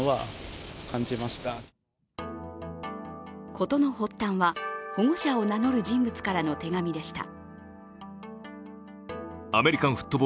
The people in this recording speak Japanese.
事の発端は、保護者を名乗る人物からの手紙でした。